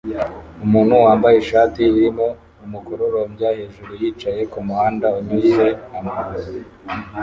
Umuntu wambaye ishati irimo umukororombya hejuru yicaye kumuhanda unyuze amaguru